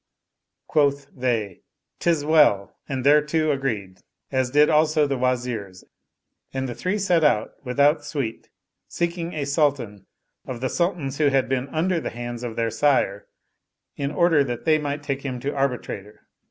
Quoth they, " Tis well! " and thereto agreed, as did also the Wazirs; and the three set out without suite seeking a Sultan of the sultans who had been under the hands of their sire, in order that they might take him to arbitrator.